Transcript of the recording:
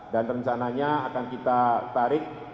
dan rencananya akan kita tarik